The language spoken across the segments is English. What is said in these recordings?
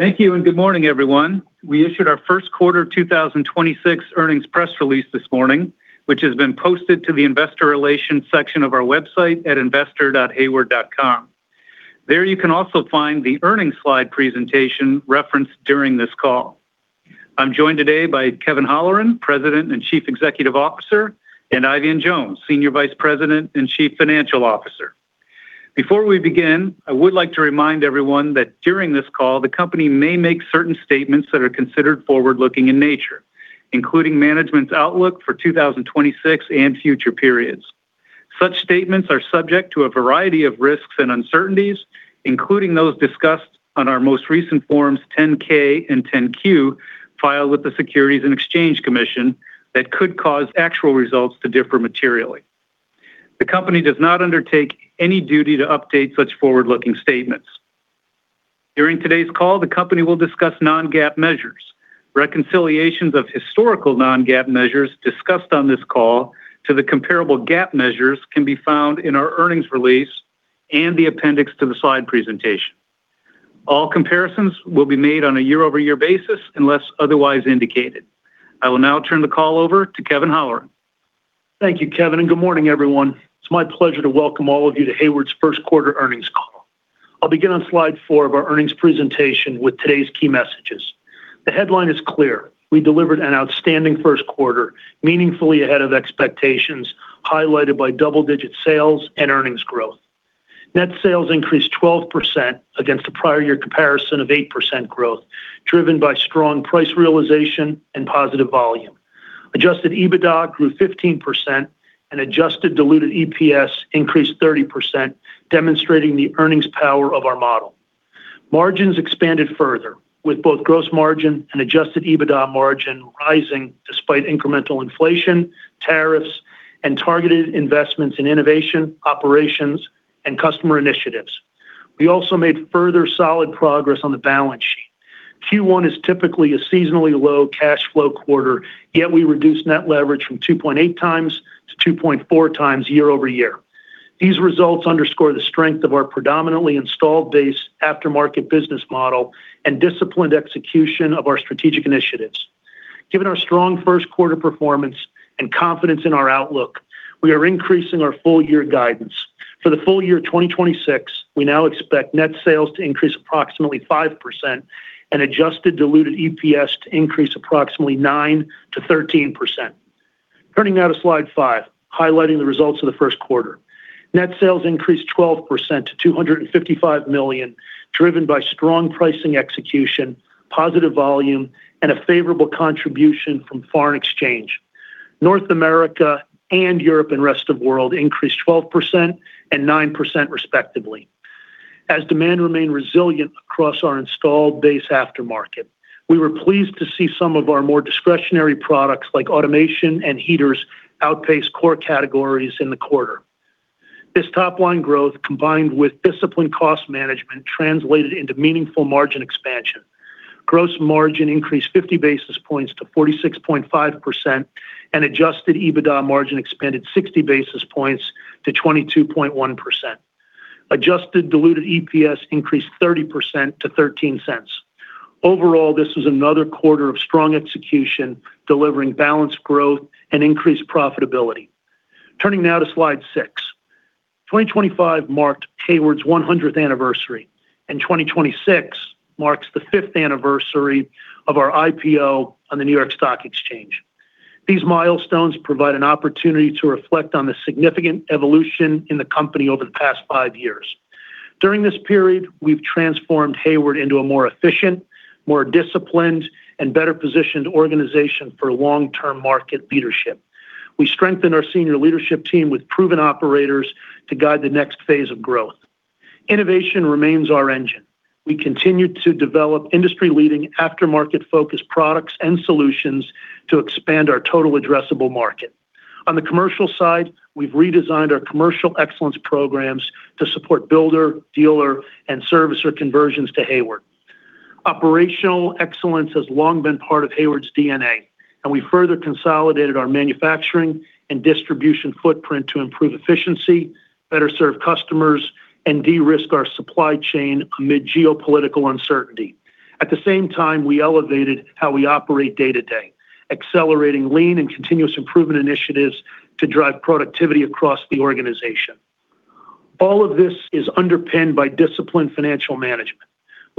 Thank you, and good morning, everyone. We issued our Q1 2026 earnings press release this morning, which has been posted to the investor relations section of our website at investor.hayward.com. There you can also find the earnings slide presentation referenced during this call. I'm joined today by Kevin Holleran, President and Chief Executive Officer, and Eifion Jones, Senior Vice President and Chief Financial Officer. Before we begin, I would like to remind everyone that during this call, the company may make certain statements that are considered forward-looking in nature, including management's outlook for 2026 and future periods. Such statements are subject to a variety of risks and uncertainties, including those discussed on our most recent forms 10-K and 10-Q filed with the Securities and Exchange Commission that could cause actual results to differ materially. The company does not undertake any duty to update such forward-looking statements. During today's call, the company will discuss non-GAAP measures. Reconciliations of historical non-GAAP measures discussed on this call to the comparable GAAP measures can be found in our earnings release and the appendix to the slide presentation. All comparisons will be made on a year-over-year basis unless otherwise indicated. I will now turn the call over to Kevin Holleran. Thank you, Kevin, and good morning, everyone. It's my pleasure to welcome all of you to Hayward's Q1 earnings call. I'll begin on slide four of our earnings presentation with today's key messages. The headline is clear. We delivered an outstanding Q1, meaningfully ahead of expectations, highlighted by double-digit sales and earnings growth. Net sales increased 12% against the prior year comparison of 8% growth, driven by strong price realization and positive volume. Adjusted EBITDA grew 15% and adjusted diluted EPS increased 30%, demonstrating the earnings power of our model. Margins expanded further with both gross margin and adjusted EBITDA margin rising despite incremental inflation, tariffs, and targeted investments in innovation, operations, and customer initiatives. We also made further solid progress on the balance sheet. Q1 is typically a seasonally low cash flow quarter, yet we reduced net leverage from 2.8x-2.4x year-over-year. These results underscore the strength of our predominantly installed base aftermarket business model and disciplined execution of our strategic initiatives. Given our strong Q1 performance and confidence in our outlook, we are increasing our full year guidance. For the full year 2026, we now expect net sales to increase approximately 5% and adjusted diluted EPS to increase approximately 9%-13%. Turning now to slide 5, highlighting the results of the Q1. Net sales increased 12% to $255 million, driven by strong pricing execution, positive volume, and a favorable contribution from foreign exchange. North America and Europe and Rest of World increased 12% and 9% respectively. As demand remained resilient across our installed base aftermarket, we were pleased to see some of our more discretionary products like automation and heaters outpace core categories in the quarter. This top-line growth, combined with disciplined cost management, translated into meaningful margin expansion. Gross margin increased 50 basis points to 46.5%, and adjusted EBITDA margin expanded 60 basis points to 22.1%. Adjusted diluted EPS increased 30% to $0.13. Overall, this was another quarter of strong execution, delivering balanced growth and increased profitability. Turning now to slide six. 2025 marked Hayward's 100th anniversary, and 2026 marks the fifth anniversary of our IPO on the New York Stock Exchange. These milestones provide an opportunity to reflect on the significant evolution in the company over the past five years. During this period, we've transformed Hayward into a more efficient, more disciplined, and better-positioned organization for long-term market leadership. We strengthened our senior leadership team with proven operators to guide the next phase of growth. Innovation remains our engine. We continue to develop industry-leading aftermarket-focused products and solutions to expand our total addressable market. On the commercial side, we've redesigned our commercial excellence programs to support builder, dealer, and servicer conversions to Hayward. Operational excellence has long been part of Hayward's DNA, and we further consolidated our manufacturing and distribution footprint to improve efficiency, better serve customers, and de-risk our supply chain amid geopolitical uncertainty. At the same time, we elevated how we operate day-to-day, accelerating lean and continuous improvement initiatives to drive productivity across the organization. All of this is underpinned by disciplined financial management.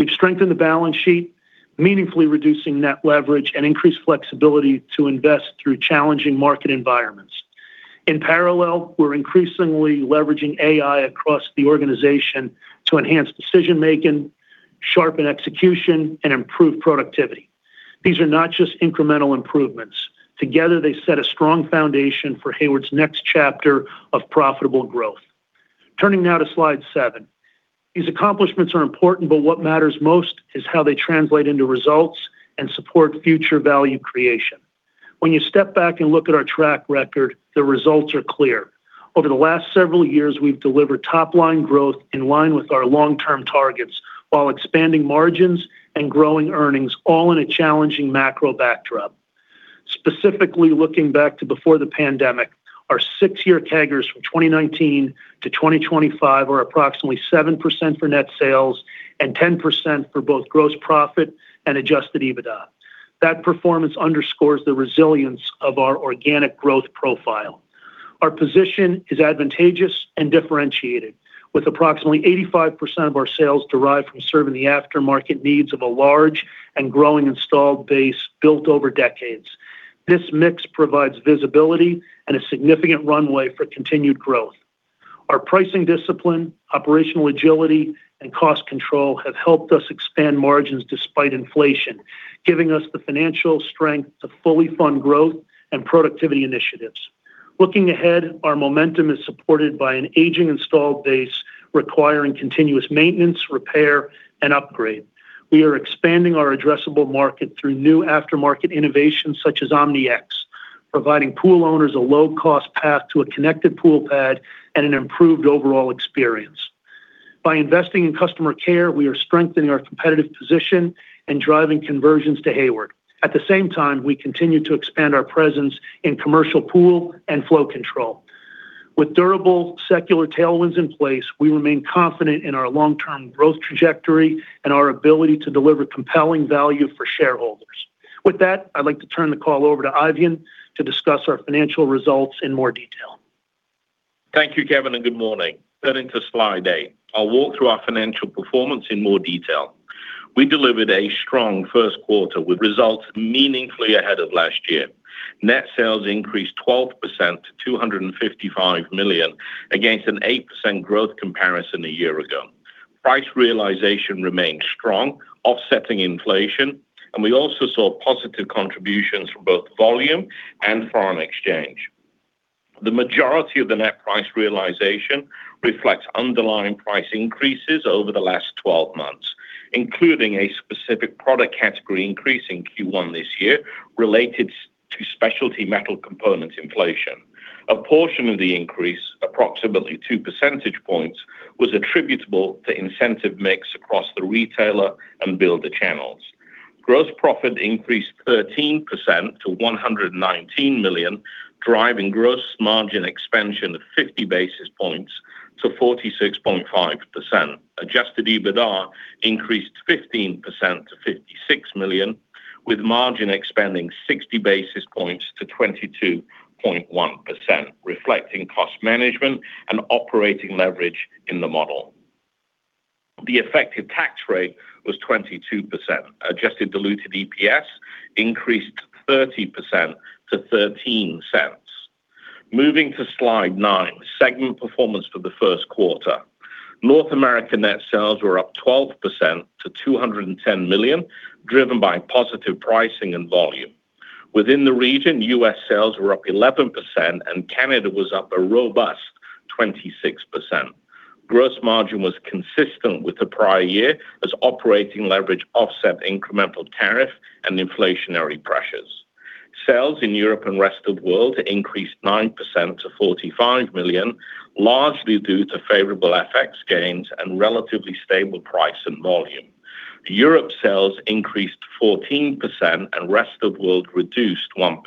We've strengthened the balance sheet, meaningfully reducing net leverage and increased flexibility to invest through challenging market environments. In parallel, we're increasingly leveraging AI across the organization to enhance decision-making, sharpen execution, and improve productivity. These are not just incremental improvements. Together, they set a strong foundation for Hayward's next chapter of profitable growth. Turning now to slide seven. These accomplishments are important, but what matters most is how they translate into results and support future value creation. When you step back and look at our track record, the results are clear. Over the last several years, we've delivered top-line growth in line with our long-term targets while expanding margins and growing earnings, all in a challenging macro backdrop. Specifically looking back to before the pandemic, our six-year CAGRs from 2019 to 2025 are approximately 7% for net sales and 10% for both gross profit and adjusted EBITDA. That performance underscores the resilience of our organic growth profile. Our position is advantageous and differentiated, with approximately 85% of our sales derived from serving the aftermarket needs of a large and growing installed base built over decades. This mix provides visibility and a significant runway for continued growth. Our pricing discipline, operational agility, and cost control have helped us expand margins despite inflation, giving us the financial strength to fully fund growth and productivity initiatives. Looking ahead, our momentum is supported by an aging installed base requiring continuous maintenance, repair, and upgrade. We are expanding our addressable market through new aftermarket innovations such as OmniX, providing pool owners a low-cost path to a connected pool pad and an improved overall experience. By investing in customer care, we are strengthening our competitive position and driving conversions to Hayward. At the same time, we continue to expand our presence in commercial pool and flow control. With durable secular tailwinds in place, we remain confident in our long-term growth trajectory and our ability to deliver compelling value for shareholders. With that, I'd like to turn the call over to Eifion to discuss our financial results in more detail. Thank you, Kevin, and good morning. Turning to slide eight, I'll walk through our financial performance in more detail. We delivered a strong Q1 with results meaningfully ahead of last year. Net sales increased 12% to $255 million against an 8% growth comparison a year ago. Price realization remained strong, offsetting inflation, and we also saw positive contributions from both volume and foreign exchange. The majority of the net price realization reflects underlying price increases over the last 12 months, including a specific product category increase in Q1 this year related to specialty metal components inflation. A portion of the increase, approximately 2 percentage points, was attributable to incentive mix across the retailer and builder channels. Gross profit increased 13% to $119 million, driving gross margin expansion of 50 basis points to 46.5%. Adjusted EBITDA increased 15% to $56 million, with margin expanding 60 basis points to 22.1%, reflecting cost management and operating leverage in the model. The effective tax rate was 22%. Adjusted diluted EPS increased 30% to $0.13. Moving to slide nine, segment performance for the Q1. North America net sales were up 12% to $210 million, driven by positive pricing and volume. Within the region, U.S. sales were up 11%, and Canada was up a robust 26%. Gross margin was consistent with the prior year as operating leverage offset incremental tariff and inflationary pressures. Sales in Europe and Rest of World increased 9% to $45 million, largely due to favorable FX gains and relatively stable price and volume. Europe sales increased 14%, and Rest of World reduced 1%,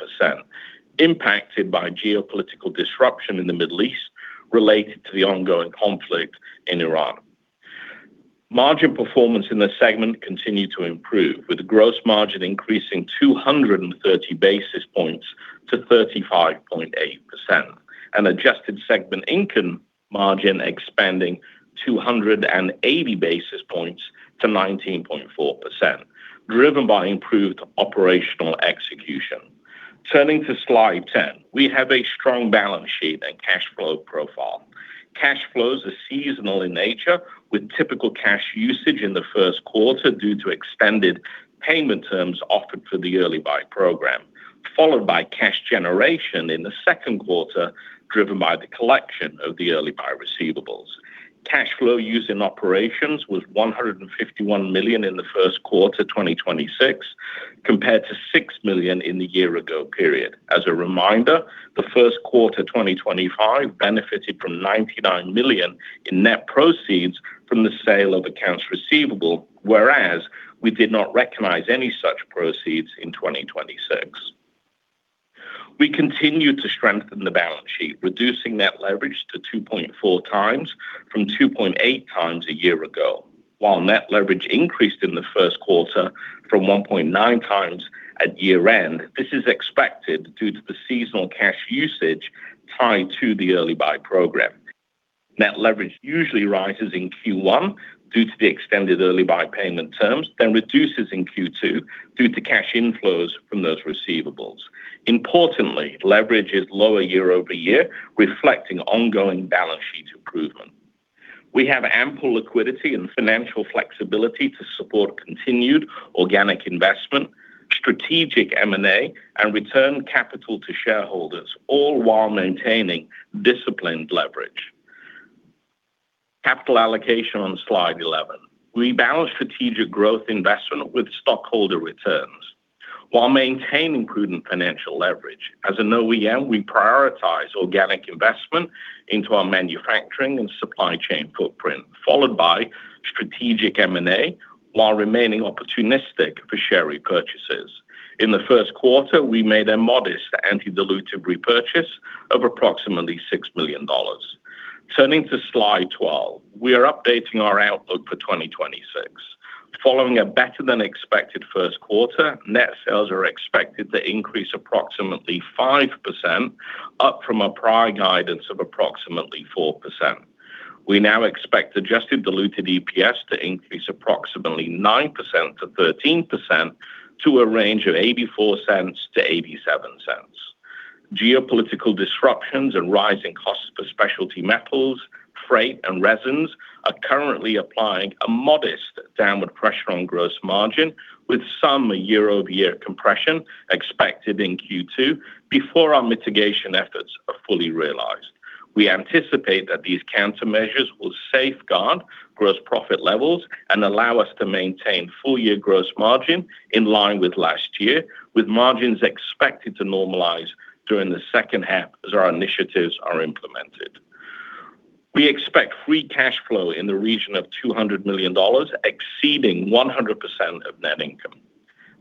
impacted by geopolitical disruption in the Middle East related to the ongoing conflict in Iran. Margin performance in the segment continued to improve, with gross margin increasing 230 basis points to 35.8%, and adjusted segment income margin expanding 280 basis points to 19.4%, driven by improved operational execution. Turning to slide 10. We have a strong balance sheet and cash flow profile. Cash flows are seasonal in nature, with typical cash usage in the Q1 due to extended payment terms offered for the early buy program, followed by cash generation in the Q2, driven by the collection of the early buy receivables. Cash flow used in operations was $151 million in the Q1 2026, compared to $6 million in the year-ago period. As a reminder, the Q1 2025 benefited from $99 million in net proceeds from the sale of accounts receivable, whereas we did not recognize any such proceeds in 2026. We continued to strengthen the balance sheet, reducing net leverage to 2.4 times from 2.8 times a year ago. While net leverage increased in the Q1 from 1.9 times at year-end, this is expected due to the seasonal cash usage tied to the early buy program. Net leverage usually rises in Q1 due to the extended early buy payment terms, then reduces in Q2 due to cash inflows from those receivables. Importantly, leverage is lower year-over-year, reflecting ongoing balance sheet improvement. We have ample liquidity and financial flexibility to support continued organic investment, strategic M&A, and return capital to shareholders, all while maintaining disciplined leverage. Capital allocation on slide 11. We balance strategic growth investment with stockholder returns while maintaining prudent financial leverage. As an OEM, we prioritize organic investment into our manufacturing and supply chain footprint, followed by strategic M&A while remaining opportunistic for share repurchases. In the Q1, we made a modest anti-dilutive repurchase of approximately $6 million. Turning to slide 12. We are updating our outlook for 2026. Following a better than expected Q1, net sales are expected to increase approximately 5% up from a prior guidance of approximately 4%. We now expect adjusted diluted EPS to increase approximately 9%-13% to a range of $0.84-$0.87. Geopolitical disruptions and rising costs for specialty metals, freight, and resins are currently applying a modest downward pressure on gross margin with some year-over-year compression expected in Q2 before our mitigation efforts are fully realized. We anticipate that these countermeasures will safeguard gross profit levels and allow us to maintain full year gross margin in line with last year, with margins expected to normalize during the second half as our initiatives are implemented. We expect free cash flow in the region of $200 million, exceeding 100% of net income.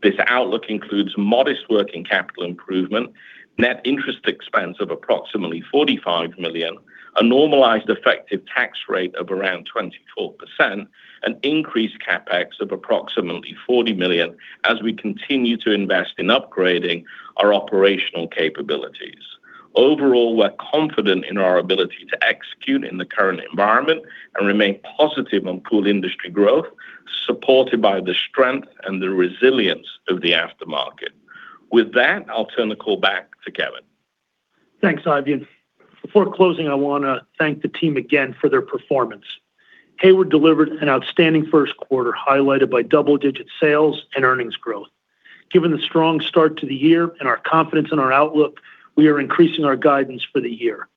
This outlook includes modest working capital improvement, net interest expense of approximately $45 million, a normalized effective tax rate of around 24%, an increased CapEx of approximately $40 million as we continue to invest in upgrading our operational capabilities. Overall, we're confident in our ability to execute in the current environment and remain positive on pool industry growth, supported by the strength and the resilience of the aftermarket. With that, I'll turn the call back to Kevin. Thanks, Eifion. Before closing, I wanna thank the team again for their performance. Hayward delivered an outstanding Q1, highlighted by double-digit sales and earnings growth. Given the strong start to the year and our confidence in our outlook, we are increasing our guidance for the year.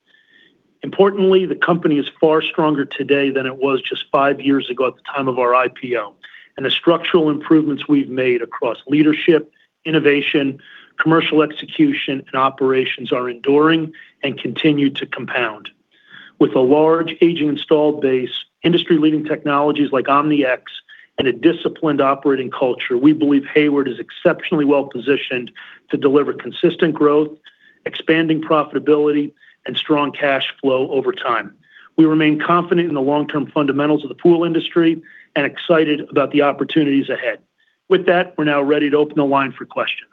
Importantly, the company is far stronger today than it was just five years ago at the time of our IPO. The structural improvements we've made across leadership, innovation, commercial execution, and operations are enduring and continue to compound. With a large aging installed base, industry-leading technologies like OmniX, and a disciplined operating culture, we believe Hayward is exceptionally well-positioned to deliver consistent growth, expanding profitability, and strong cash flow over time. We remain confident in the long-term fundamentals of the pool industry and excited about the opportunities ahead. With that, we're now ready to open the line for questions.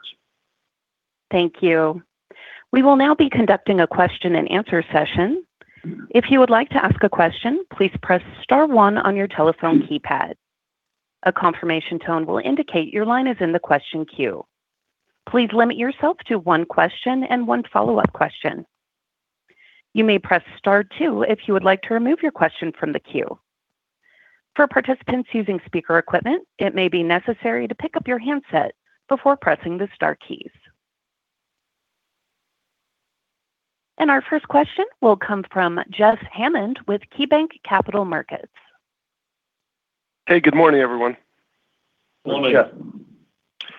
Our first question will come from Jeff Hammond with KeyBanc Capital Markets. Hey, good morning, everyone. Morning. Good morning.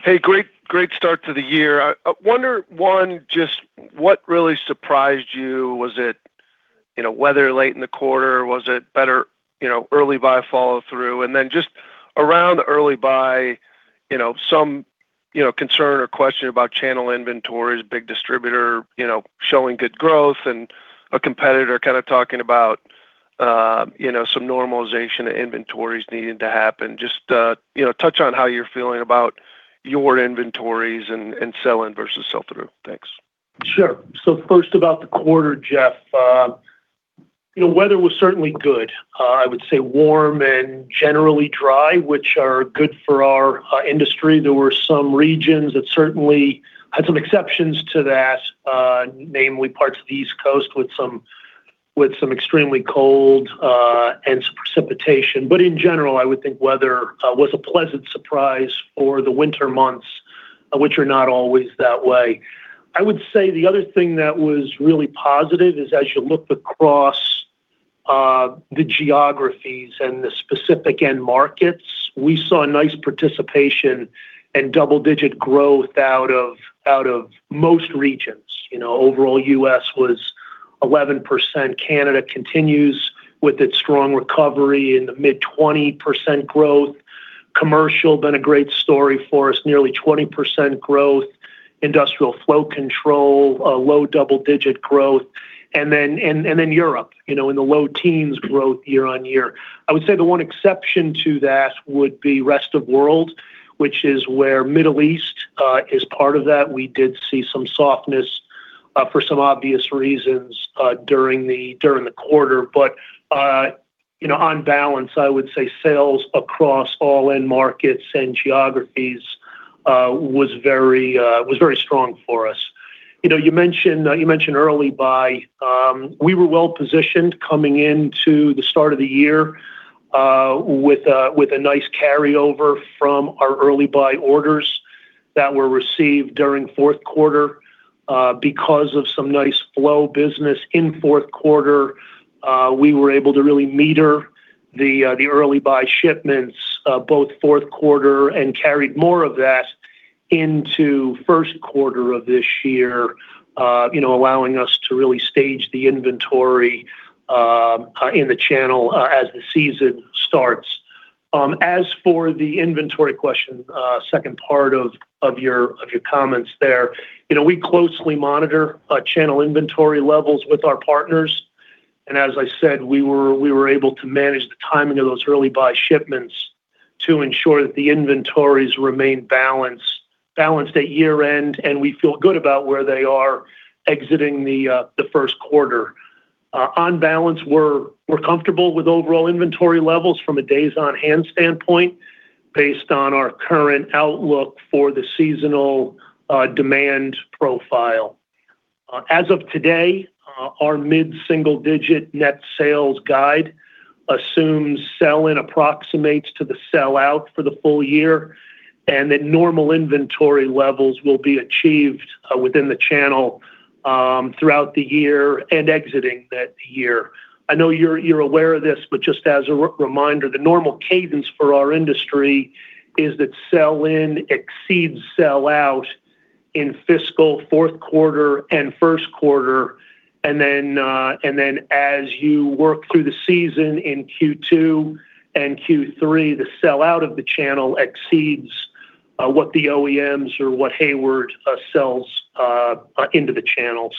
Hey, great start to the year. I wonder, one, just what really surprised you? Was it, you know, weather late in the quarter? Was it better, you know, early buy follow through? Then just around early buy, you know, some, you know, concern or question about channel inventories, big distributor, you know, showing good growth and a competitor kind of talking about, you know, some normalization of inventories needing to happen. Just, you know, touch on how you're feeling about your inventories and sell-in versus sell-through. Thanks. Sure. First about the quarter, Jeff. You know, weather was certainly good. I would say warm and generally dry, which are good for our industry. There were some regions that certainly had some exceptions to that, namely parts of the East Coast with some extremely cold and some precipitation. In general, I would think weather was a pleasant surprise for the winter months, which are not always that way. I would say the other thing that was really positive is as you looked across the geographies and the specific end markets, we saw a nice participation and double-digit growth out of most regions. You know, overall U.S. was 11%. Canada continues with its strong recovery in the mid-20% growth. Commercial, been a great story for us, nearly 20% growth. Industrial flow control, a low double-digit growth. Europe, you know, in the low teens growth year on year. I would say the 1 exception to that would be rest of world, which is where Middle East is part of that. We did see some softness for some obvious reasons during the quarter. You know, on balance, I would say sales across all end markets and geographies was very strong for us. You know, you mentioned early buy. We were well-positioned coming into the start of the year with a nice carryover from our early buy orders that were received during Q4. Because of some nice flow business in Q4, we were able to really meter the early buy shipments, both Q4 and carried more of that into Q1 of this year, you know, allowing us to really stage the inventory in the channel as the season starts. As for the inventory question, second part of your comments there, you know, we closely monitor channel inventory levels with our partners. As I said, we were able to manage the timing of those early buy shipments to ensure that the inventories remain balanced at year-end, and we feel good about where they are exiting the Q1. On balance, we're comfortable with overall inventory levels from a days on hand standpoint based on our current outlook for the seasonal demand profile. As of today, our mid-single-digit net sales guide assumes sell-in approximates to the sell-out for the full year, and that normal inventory levels will be achieved within the channel throughout the year and exiting that year. I know you're aware of this, but just as a re-reminder, the normal cadence for our industry is that sell-in exceeds sell-out in fiscal Q4 and Q1. As you work through the season in Q2 and Q3, the sell-out of the channel exceeds what the OEMs or what Hayward sells into the channel.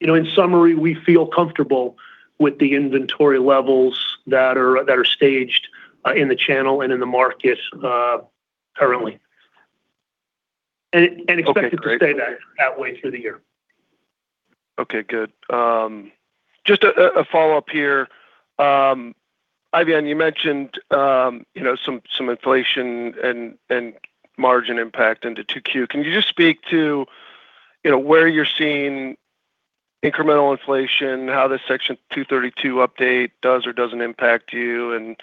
You know, in summary, we feel comfortable with the inventory levels that are staged in the channel and in the market currently. Okay, great. Expected to stay that way through the year. Okay, good. Just a follow-up here. Eifion, you mentioned, you know, inflation and margin impact into 2Q. Can you just speak to, you know, where you're seeing incremental inflation, how the Section 232 update does or doesn't impact you?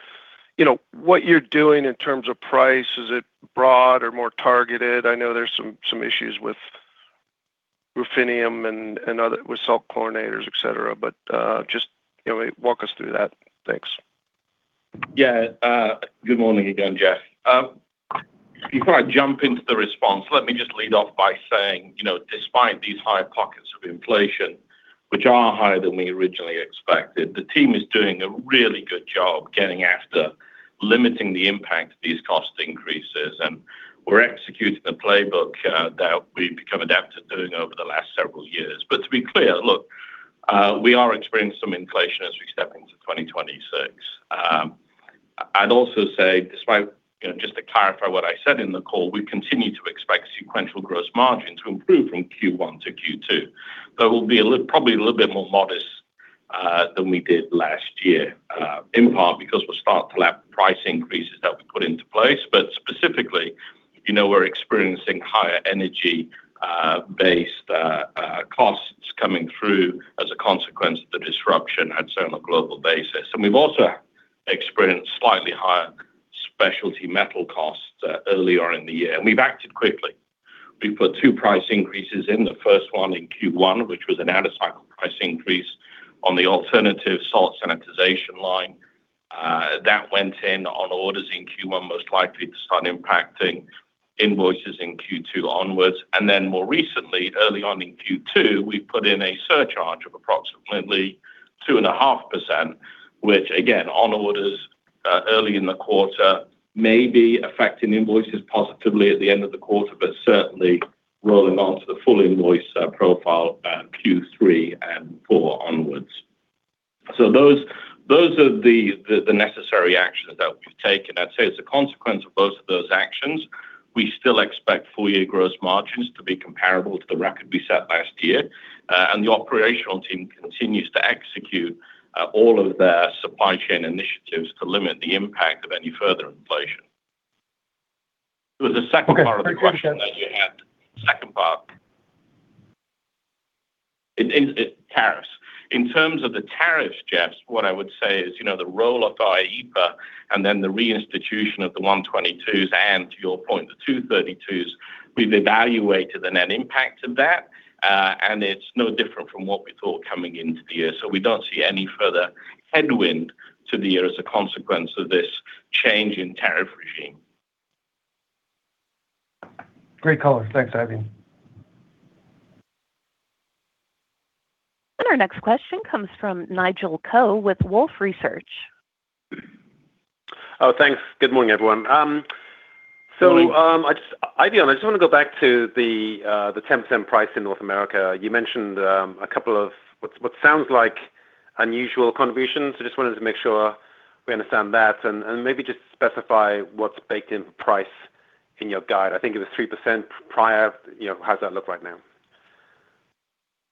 What you're doing in terms of price, is it broad or more targeted? I know there's issues with ruthenium with salt chlorinators, et cetera, but walk us through that. Thanks. Yeah. Good morning again, Jeff. Before I jump into the response, let me just lead off by saying, you know, despite these higher pockets of inflation, which are higher than we originally expected, the team is doing a really good job getting after limiting the impact of these cost increases. We're executing the playbook that we've become adept at doing over the last several years. To be clear, look, we are experiencing some inflation as we step into 2026. I'd also say, despite, you know, just to clarify what I said in the call, we continue to expect sequential gross margin to improve from Q1 to Q2. It will be probably a little bit more modest than we did last year, in part because we'll start to lap price increases that we put into place. Specifically, you know, we're experiencing higher energy-based costs coming through as a consequence of the disruption at certain global basis. We've also experienced slightly higher specialty metal costs earlier in the year, and we've acted quickly. We put two price increases in, the first one in Q1, which was an out-of-cycle price increase on the alternative salt sanitization line. That went in on orders in Q1, most likely to start impacting invoices in Q2 onwards. More recently, early on in Q2, we put in a surcharge of approximately 2.5%, which again, on orders early in the quarter, may be affecting invoices positively at the end of the quarter, but certainly rolling on to the full invoice profile Q3 and Q4 onwards. Those are the necessary actions that we've taken. I'd say as a consequence of both of those actions, we still expect full-year gross margins to be comparable to the record we set last year. The operational team continues to execute all of their supply chain initiatives to limit the impact of any further inflation. There was a second part of the question. Okay. That you had. Second part. In tariffs. In terms of the tariffs, Jeff, what I would say is, you know, the roll off of IEEPA and then the reinstitution of the Section 122s, and to your point, the Section 232s, we've evaluated the net impact of that, and it's no different from what we thought coming into the year. We don't see any further headwind to the year as a consequence of this change in tariff regime. Great color. Thanks, Eifion. Our next question comes from Nigel Coe with Wolfe Research. Oh, thanks. Good morning, everyone. Morning. I just wanna go back to the Eifion, the 10% price in North America. You mentioned a couple of what sounds like unusual contributions. Just wanted to make sure we understand that and maybe just specify what's baked in price in your guide. I think it was 3% prior. You know, how does that look right now?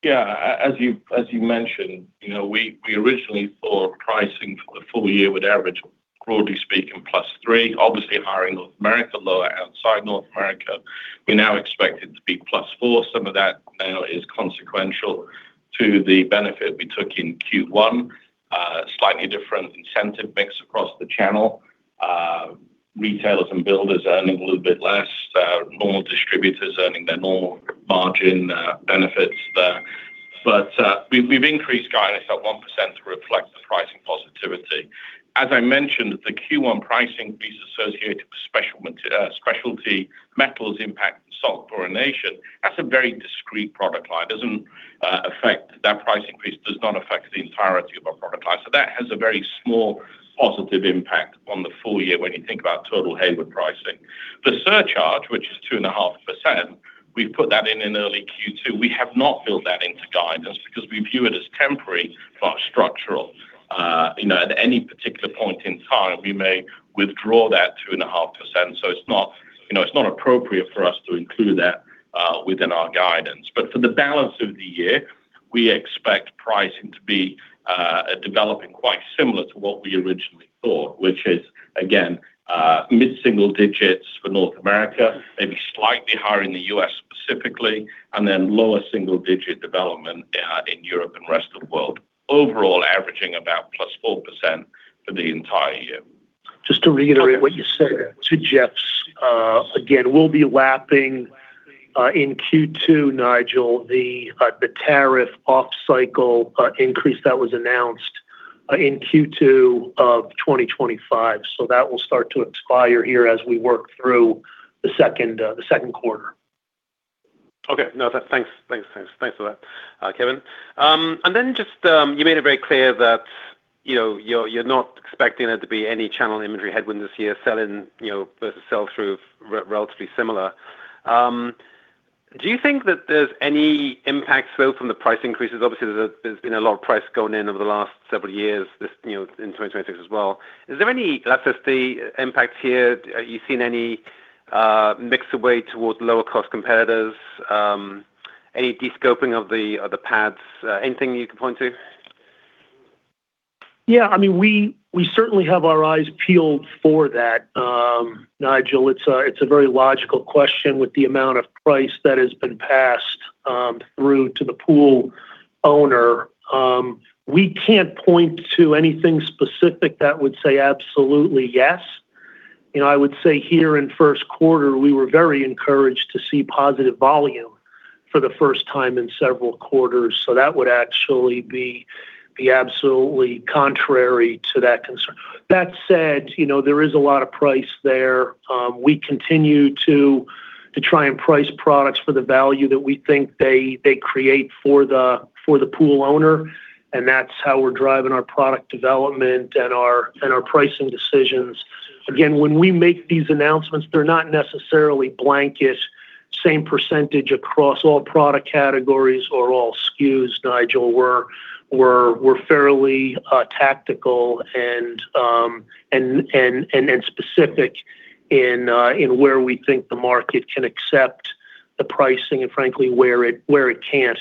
As you mentioned, you know, we originally thought pricing for the full year would average, broadly speaking, +3, obviously higher in North America, lower outside North America. We now expect it to be +4. Some of that now is consequential to the benefit we took in Q1. Slightly different incentive mix across the channel. Retailers and builders earning a little bit less, normal distributors earning their normal margin benefits. We've increased guidance at 1% to reflect the pricing positivity. As I mentioned, the Q1 pricing piece associated with specialty metals impact and salt chlorination, that's a very discreet product line. That price increase does not affect the entirety of our product line. That has a very small positive impact on the full year when you think about total Hayward pricing. The surcharge, which is 2.5%, we've put that in in early Q2. We have not built that into guidance because we view it as temporary but structural. At any particular point in time, we may withdraw that 2.5%. It's not appropriate for us to include that within our guidance. For the balance of the year, we expect pricing to be developing quite similar to what we originally thought, which is again, mid-single digits for North America, maybe slightly higher in the U.S. specifically, and then lower single digit development in Europe and rest of the world. Overall, averaging about +4% for the entire year. Just to reiterate what you said to Jeff's. Again, we'll be lapping in Q2, Nigel, the tariff off-cycle increase that was announced in Q2 of 2025. That will start to expire here as we work through the second, the Q2. Okay. No, thanks. Thanks for that, Kevin. Then just, you made it very clear that, you know, you're not expecting there to be any channel inventory headwind this year, sell in, you know, versus sell through relatively similar. Do you think that there's any impact flow from the price increases? Obviously, there's been a lot of price going in over the last several years this, you know, in 2026 as well. Is there any elasticity impact here? You seen any mix away towards lower cost competitors? Any de-scoping of the pads? Anything you can point to? Yeah, I mean, we certainly have our eyes peeled for that, Nigel. It's a very logical question with the amount of price that has been passed through to the pool owner. We can't point to anything specific that would say absolutely yes. You know, I would say here in Q1, we were very encouraged to see positive volume for the first time in several quarters. That would actually be absolutely contrary to that concern. That said, you know, there is a lot of price there. We continue to try and price products for the value that we think they create for the pool owner, that's how we're driving our product development and our pricing decisions. Again, when we make these announcements, they're not necessarily blanket same percentage across all product categories or all SKUs, Nigel. We're fairly tactical and specific in where we think the market can accept the pricing and frankly, where it can't.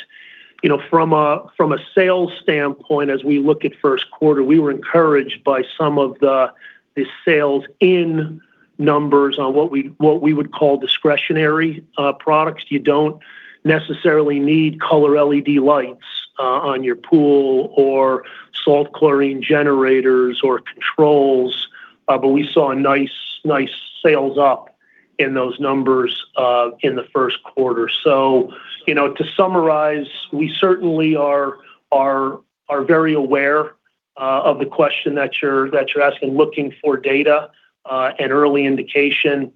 You know, from a sales standpoint, as we look at Q1, we were encouraged by some of the sales in numbers on what we would call discretionary products. You don't necessarily need color LED lights on your pool or salt chlorine generators or controls, we saw a nice sales up in those numbers in the Q1. You know, to summarize, we certainly are very aware of the question that you're asking, looking for data and early indication.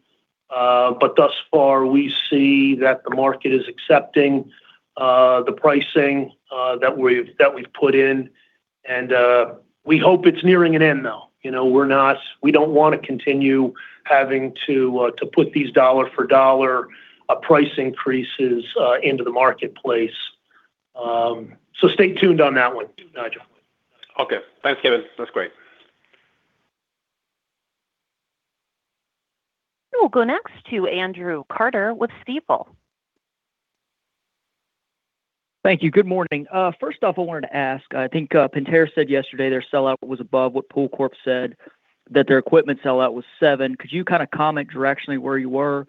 Thus far, we see that the market is accepting the pricing that we've put in. We hope it's nearing an end now. You know, we don't wanna continue having to put these dollar for dollar price increases into the marketplace. Stay tuned on that one, Nigel. Okay. Thanks, Kevin. That's great. We'll go next to Andrew Carter with Stifel. Thank you. Good morning. First off, I wanted to ask, I think, Pentair said yesterday their sellout was above what Pool Corporation said that their equipment sellout was 7%. Could you kind of comment directionally where you were?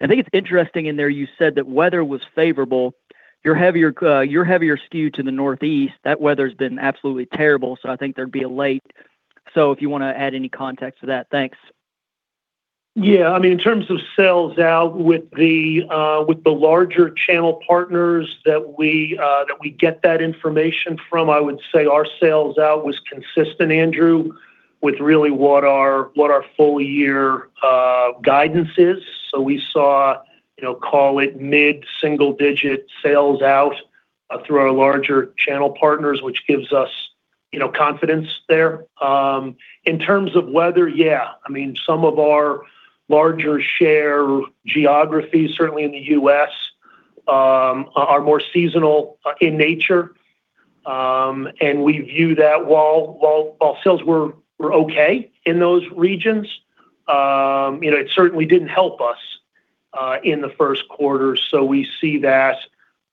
I think it is interesting in there you said that weather was favorable. Your heavier skew to the Northeast, that weather's been absolutely terrible, so I think there'd be a late. If you want to add any context to that. Thanks. Yeah. I mean, in terms of sales out with the, with the larger channel partners that we, that we get that information from, I would say our sales out was consistent, Andrew, with really what our full year guidance is. We saw, you know, call it mid-single-digit sales out through our larger channel partners, which gives us, you know, confidence there. In terms of weather, yeah, I mean, some of our larger share geographies, certainly in the U.S., are more seasonal in nature. We view that while sales were okay in those regions, you know, it certainly didn't help us in the Q1. We see that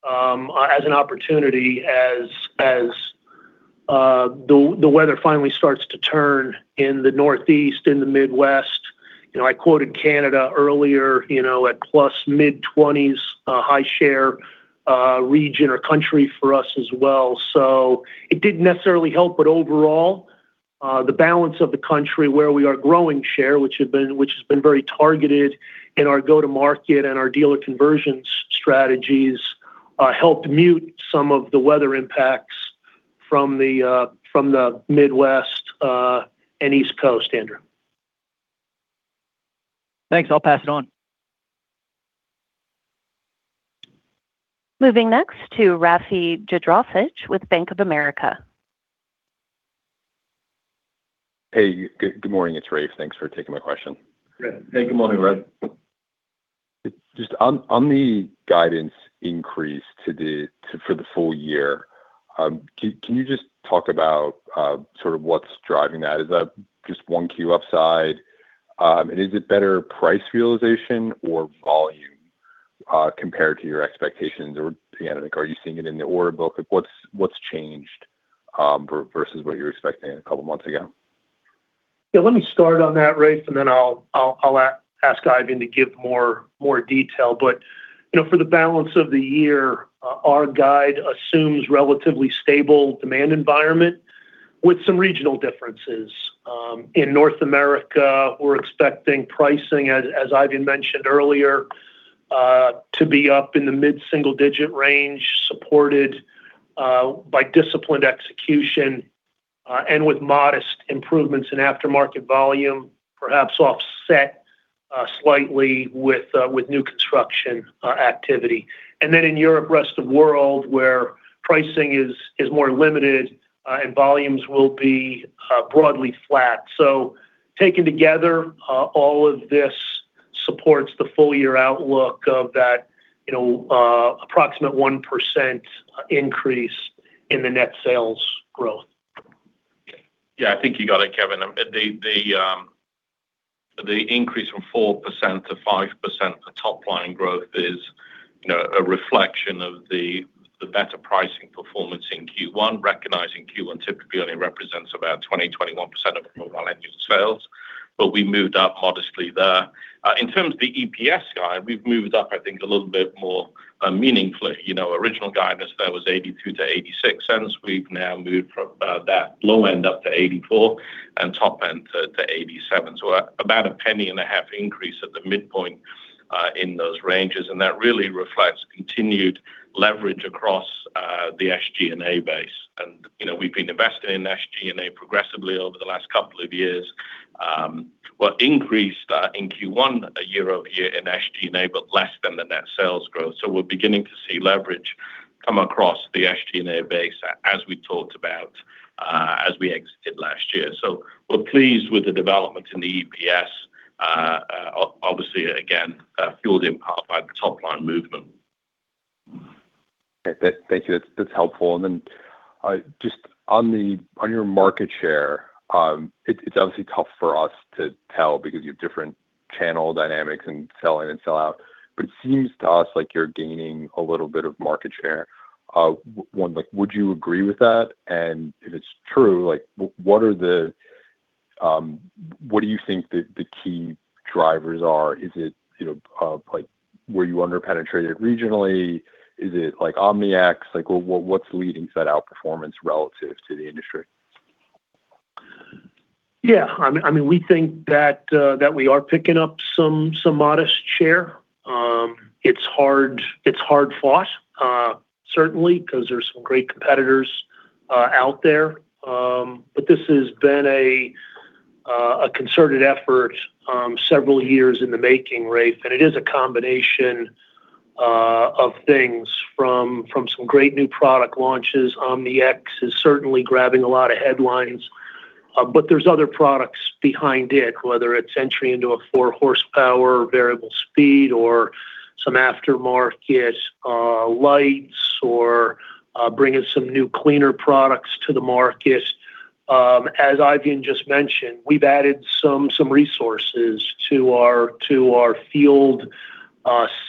as an opportunity as the weather finally starts to turn in the Northeast and the Midwest. You know, I quoted Canada earlier, you know, at plus mid-20s, a high share, region or country for us as well. It didn't necessarily help, but overall, the balance of the country where we are growing share, which had been, which has been very targeted in our go-to-market and our dealer conversions strategies, helped mute some of the weather impacts from the Midwest and East Coast. Andrew. Thanks. I'll pass it on. Moving next to Rafe Jadrosich with Bank of America. Hey, good morning. It's Rafe. Thanks for taking my question. Yeah. Hey, good morning, Rafe. Just on the guidance increase to the, for the full year, can you just talk about sort of what's driving that? Is that just 1Q upside? Is it better price realization or volume compared to your expectations? Or, you know, like, are you seeing it in the order book? Like, what's changed versus what you were expecting a couple months ago? Let me start on that, Rafe, and then I'll ask Eifion to give more detail. You know, for the balance of the year, our guide assumes relatively stable demand environment with some regional differences. In North America, we're expecting pricing, as Eifion mentioned earlier, to be up in the mid-single digit range, supported by disciplined execution, and with modest improvements in aftermarket volume, perhaps offset slightly with new construction activity. In Europe, rest of world, where pricing is more limited, and volumes will be broadly flat. Taken together, all of this supports the full year outlook of that, you know, approximate 1% increase in the net sales growth. Yeah, I think you got it, Kevin. The increase from 4%-5% for top line growth is, you know, a reflection of the better pricing performance in Q1, recognizing Q1 typically only represents about 20%-21% of full year net sales, but we moved up modestly there. In terms of the EPS guide, we've moved up, I think, a little bit more meaningfully. You know, original guidance there was $0.82-$0.86. We've now moved from that low end up to $0.84 and top end to $0.87. About a $0.015 increase at the midpoint in those ranges, and that really reflects continued leverage across the SG&A base. You know, we've been investing in SG&A progressively over the last couple of years. what increased in Q1 year-over-year in SG&A, but less than the net sales growth. We're beginning to see leverage come across the SG&A base as we talked about as we exited last year. We're pleased with the developments in the EPS. Obviously, again, fueled in part by the top line movement. Okay. Thank you. That's helpful. Just on the, on your market share, it's obviously tough for us to tell because you have different channel dynamics and sell in and sell out, but it seems to us like you're gaining a little bit of market share. One, like, would you agree with that? If it's true, like, what are the... What do you think the key drivers are? Is it, you know, like, were you under-penetrated regionally? Is it, like, OmniX? Like, what's leading to that outperformance relative to the industry? Yeah. I mean, we think that we are picking up some modest share. It's hard fought, certainly, 'cause there's some great competitors out there. This has been a concerted effort, several years in the making, Rafe. It is a combination of things from some great new product launches. OmniX is certainly grabbing a lot of headlines. There's other products behind it, whether it's entry into a 4 HP variable-speed or some aftermarket lights or bringing some new cleaner products to the market. As Eifion just mentioned, we've added some resources to our field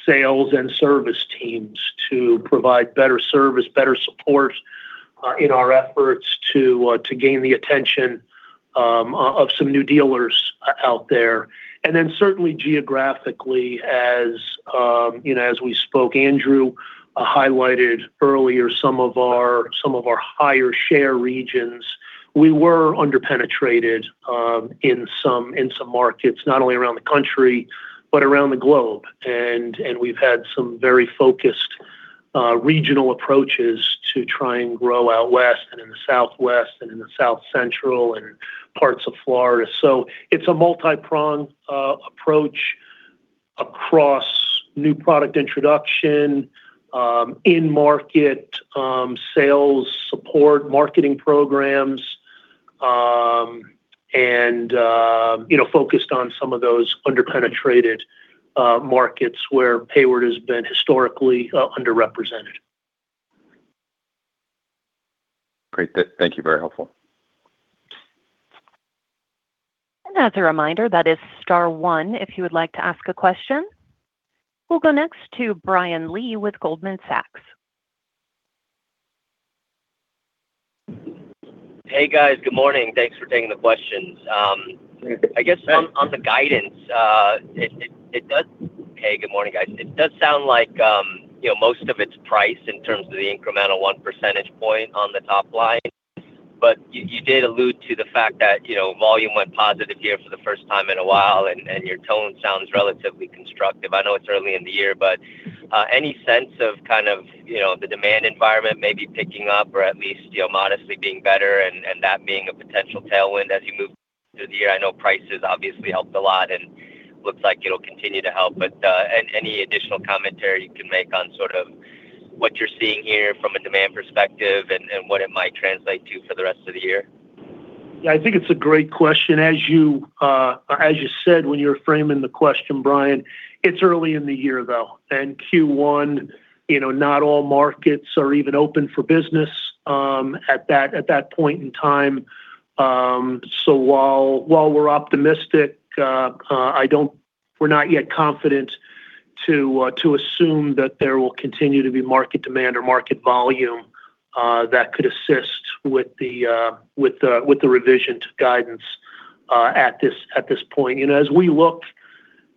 sales and service teams to provide better service, better support in our efforts to gain the attention of some new dealers out there. Certainly geographically, as, you know, as we spoke, Andrew highlighted earlier some of our, some of our higher share regions. We were under-penetrated in some, in some markets, not only around the country, but around the globe. We've had some very focused regional approaches to try and grow out west and in the southwest and in the south central and parts of Florida. It's a multi-prong approach across new product introduction, in market sales support, marketing programs, and, you know, focused on some of those under-penetrated markets where Hayward has been historically underrepresented. Great. Thank you. Very helpful. As a reminder, that is star one if you would like to ask a question. We'll go next to Brian Lee with Goldman Sachs. Hey, guys. Good morning. Thanks for taking the questions. Yeah. I guess on the guidance, good morning, guys. It does sound like, you know, most of it's price in terms of the incremental 1 percentage point on the top line. You did allude to the fact that, you know, volume went positive here for the first time in a while, and your tone sounds relatively constructive. I know it's early in the year, any sense of kind of, you know, the demand environment maybe picking up or at least, you know, modestly being better and that being a potential tailwind as you move through the year? I know prices obviously helped a lot and looks like it'll continue to help. Any additional commentary you can make on sort of what you're seeing here from a demand perspective and what it might translate to for the rest of the year? Yeah, I think it's a great question. As you said when you were framing the question, Brian, it's early in the year though. Q1, you know, not all markets are even open for business at that point in time. While we're optimistic, we're not yet confident to assume that there will continue to be market demand or market volume that could assist with the revision to guidance at this point. As we look,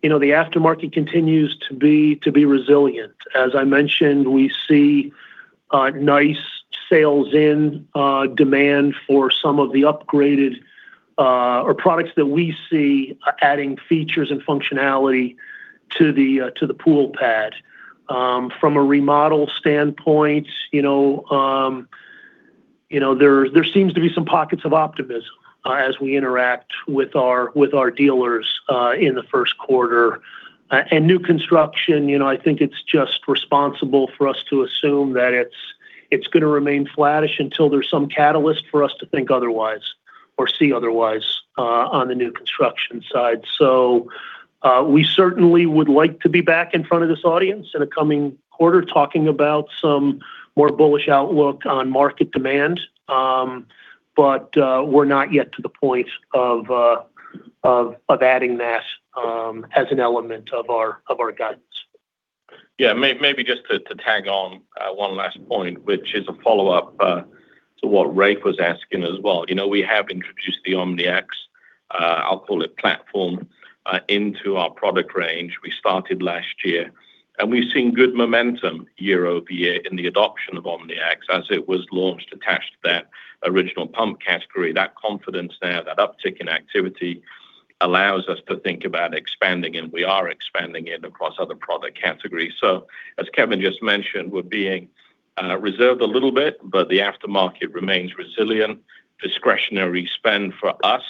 you know, the aftermarket continues to be resilient. As I mentioned, we see nice sales in demand for some of the upgraded or products that we see adding features and functionality to the pool pad. From a remodel standpoint, you know, you know, there seems to be some pockets of optimism, as we interact with our dealers, in the Q1. New construction, you know, I think it's just responsible for us to assume that it's gonna remain flattish until there's some catalyst for us to think otherwise or see otherwise on the new construction side. We certainly would like to be back in front of this audience in a coming quarter talking about some more bullish outlook on market demand. We're not yet to the point of adding that as an element of our guidance. Maybe just to tag on one last point, which is a follow-up to what Rafe was asking as well. You know, we have introduced the OmniX, I'll call it platform, into our product range. We started last year, and we've seen good momentum year-over-year in the adoption of OmniX as it was launched attached to that original pump category. That confidence there, that uptick in activity allows us to think about expanding, and we are expanding it across other product categories. As Kevin just mentioned, we're being reserved a little bit, but the aftermarket remains resilient. Discretionary spend for us,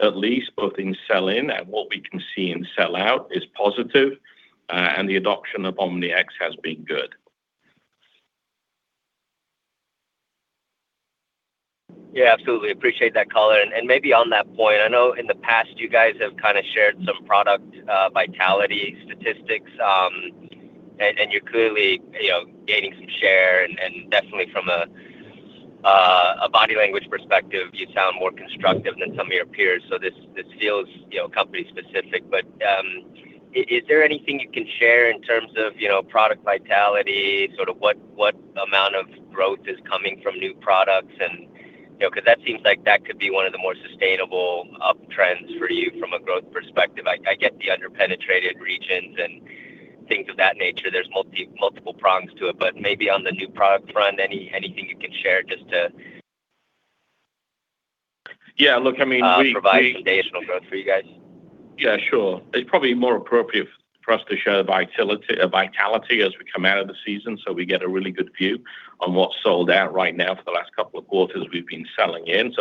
at least both in sell in and what we can see in sell out, is positive, and the adoption of OmniX has been good. Yeah, absolutely. Appreciate that color. Maybe on that point, I know in the past you guys have kinda shared some product vitality statistics. You're clearly, you know, gaining some share and definitely from a body language perspective, you sound more constructive than some of your peers. This feels, you know, company specific. Is there anything you can share in terms of, you know, product vitality, sort of what amount of growth is coming from new products and, you know, 'cause that seems like that could be one of the more sustainable up trends for you from a growth perspective. I get the under-penetrated regions and things of that nature. There's multiple prongs to it. Maybe on the new product front, anything you can share just to Yeah, look, I mean, we. provide some additional growth for you guys. Yeah, sure. It's probably more appropriate for us to show the vitality as we come out of the season, so we get a really good view on what's sold out right now for the last couple of quarters we've been selling in.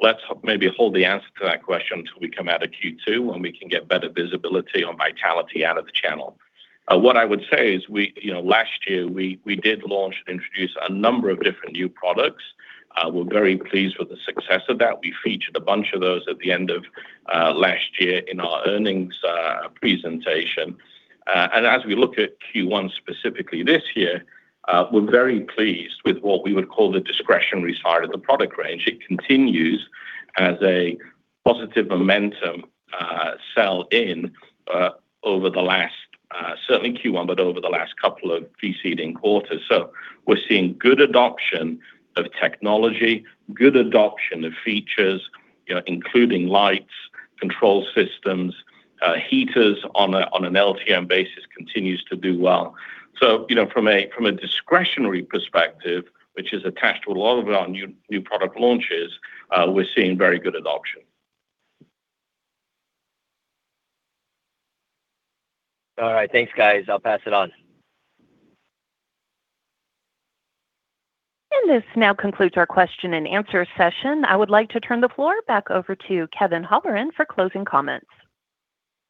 Let's maybe hold the answer to that question till we come out of Q2, and we can get better visibility on vitality out of the channel. What I would say is we, you know, last year, we did launch and introduce a number of different new products. We're very pleased with the success of that. We featured a bunch of those at the end of last year in our earnings presentation. As we look at Q1 specifically this year, we're very pleased with what we would call the discretionary side of the product range. It continues as a positive momentum, sell in, over the last, certainly Q1, but over the last couple of preceding quarters. We're seeing good adoption of technology, good adoption of features, you know, including lights, control systems. Heaters on an LTM basis continues to do well. You know, from a discretionary perspective, which is attached to a lot of our new product launches, we're seeing very good adoption. All right. Thanks, guys. I'll pass it on. This now concludes our question and answer session. I would like to turn the floor back over to Kevin Holleran for closing comments.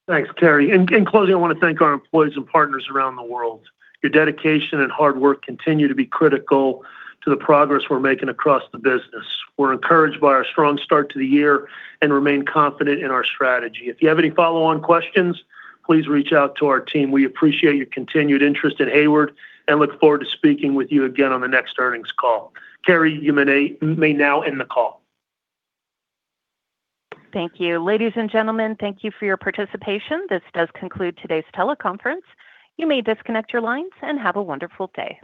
Thanks, Carrie. In closing, I wanna thank our employees and partners around the world. Your dedication and hard work continue to be critical to the progress we're making across the business. We're encouraged by our strong start to the year and remain confident in our strategy. If you have any follow-on questions, please reach out to our team. We appreciate your continued interest in Hayward and look forward to speaking with you again on the next earnings call. Carrie, you may now end the call. Thank you. Ladies and gentlemen, thank you for your participation. This does conclude today's teleconference. You may disconnect your lines and have a wonderful day.